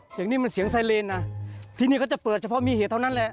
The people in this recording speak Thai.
เสียงนี้มันเสียงไซเลนนะที่นี่ก็จะเปิดเฉพาะมีเหตุเท่านั้นแหละ